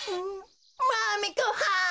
マメごはん。